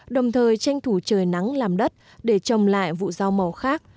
đồng thời tranh thủ trời nắng làm đất để trồng lại vụ rau màu khác